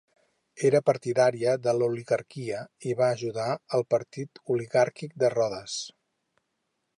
Era partidària de l'oligarquia i va ajudar el partit oligàrquic de Rodes.